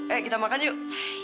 eh kita makan yuk